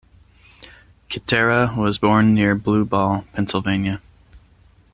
Kittera was born near Blue Ball, Pennsylvania.